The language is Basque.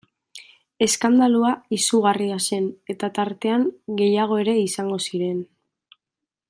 Eskandalua izugarria zen eta tartean gehiago ere izango ziren...